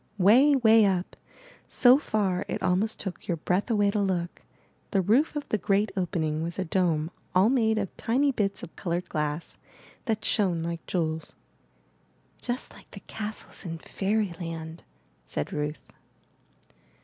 Way, way up, so far it almost took your breath away to look, the roof of the great opening was a dome all made of tiny bits of colored glass that 404 IN THE NURSERY shone like jewels. "Just like the castles in Fairy land," said Ruth.